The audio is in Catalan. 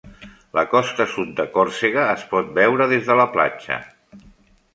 La costa sud de Còrsega es pot veure des de la platja.